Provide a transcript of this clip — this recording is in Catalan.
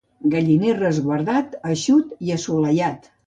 Galliner resguardat, eixut i assolellat.